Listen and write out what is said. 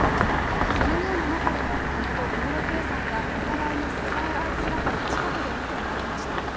そのような中でも、姉と小室圭さんがお互いに支え合う姿を近くで見てまいりました。